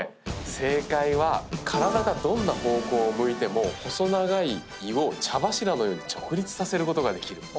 正解は体がどんな方向を向いても細長い胃を茶柱のように直立させることができる。